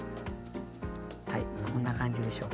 はいこんな感じでしょうか。